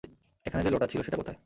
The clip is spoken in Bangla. এখানে যে লোটা ছিল, সেটা কোথায়?